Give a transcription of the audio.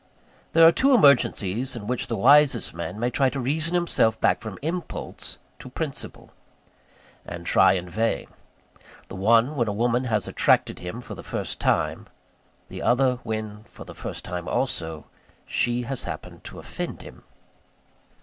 There are two emergencies in which the wisest man may try to reason himself back from impulse to principle; and try in vain: the one when a woman has attracted him for the first time; the other, when, for the first time, also, she has happened to offend him.